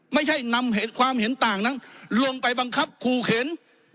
ไม่ใช่นำความเห็นต่างนั้นลงไปบังคับขู่เข็น